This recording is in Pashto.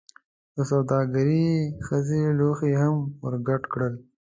دسوداګرې ښځې لوښي هم ورډک کړل.